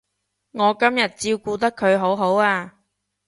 我今日照顧得佢好好啊